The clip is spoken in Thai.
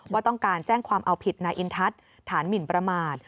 ว่าต้องการแจ้งความเอาผิดนายอินทัศน์ฐานหมินประมาท